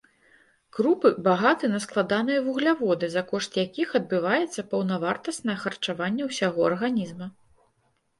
Крупы багаты на складаныя вугляводы, за кошт якіх адбываецца паўнавартаснае харчаванне ўсяго арганізма.